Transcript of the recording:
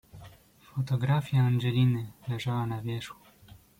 "Fotografia Angeliny leżała na wierzchu."